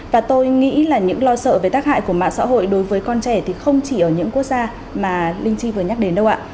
và tôi nghĩ là những lo sợ về tác hại của mạng xã hội đối với con trẻ thì không chỉ ở những quốc gia mà linh chi vừa nhắc đến đâu ạ